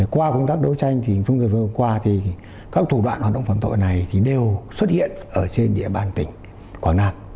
qua công tác đấu tranh các thủ đoạn hoạt động phạm tội này đều xuất hiện ở trên địa bàn tỉnh quảng nam